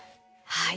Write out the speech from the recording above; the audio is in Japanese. はい。